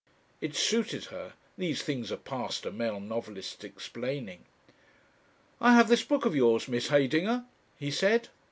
It suited her these things are past a male novelist's explaining. "I have this book of yours, Miss Heydinger," he said.